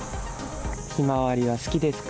ひまわりは好きですか？